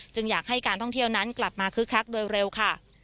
อยากให้การท่องเที่ยวนั้นกลับมาคึกคักโดยเร็วค่ะ